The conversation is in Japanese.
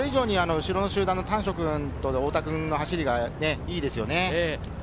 それ以上に後ろの集団の丹所君と太田君の走りがいいですよね。